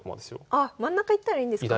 あっ真ん中行ったらいいんですか？